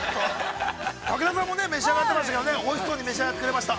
◆武田さんも召し上がってましたけども、おいしそうに、召し上がってくれました。